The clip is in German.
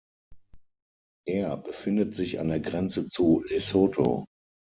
Er befindet sich an der Grenze zu Lesotho.